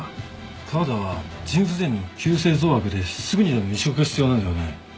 河田は腎不全の急性増悪ですぐにでも移植が必要なんだよね？